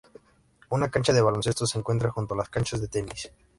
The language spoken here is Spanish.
Una cancha de baloncesto se encuentra junto a las canchas de tenis.